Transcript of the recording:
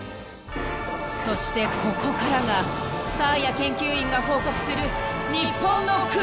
［そしてここからがサーヤ研究員が報告する］